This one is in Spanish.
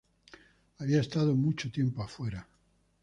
Había estado mucho tiempo afuera.